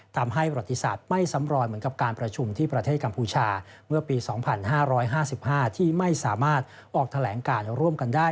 ทำให้ประวัติศาสตร์ไม่ซ้ำรอยเหมือนกับการประชุมที่ประเทศกัมพูชาเมื่อปี๒๕๕๕ที่ไม่สามารถออกแถลงการร่วมกันได้